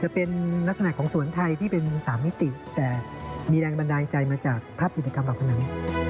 เป็นนักสนักของสวนไทยที่เป็น๓มิติแต่มีแรงบันไดใจมาจากภาพจิตกรรมบังคันั้น